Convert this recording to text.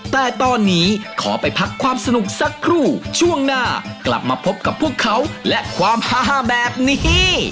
แต่ตอนนี้ขอไปพักความสนุกสักครู่ช่วงหน้ากลับมาพบกับพวกเขาและความฮาแบบนี้